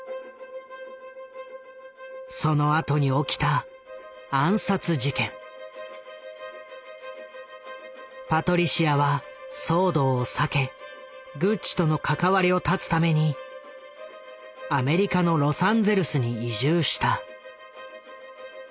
そのあとに起きたパトリシアは騒動を避けグッチとの関わりを断つためにアメリカのロサンゼルスに移住した。